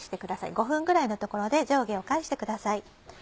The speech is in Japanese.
５分ぐらいのところで上下を返してください。